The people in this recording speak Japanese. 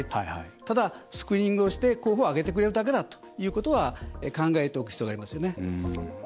ただ、スクリーニングをして候補を挙げてくれるだけだということは考えておく必要がありますよね。